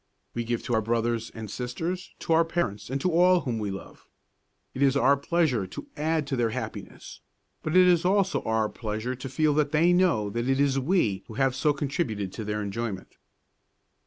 We give to our brothers and sisters, to our parents and to all whom we love. It is our pleasure to add to their happiness; but it is also our pleasure to feel that they know it is we who have so contributed to their enjoyment.